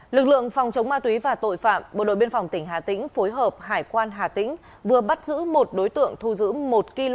lực lượng phòng chống ma túy và tội phạm bộ đội biên phòng tỉnh hà tĩnh phối hợp hải quan hà tĩnh vừa bắt giữ một đối tượng thu giữ một kg kentamin và bảy năm trăm linh viên ma túy tổng hợp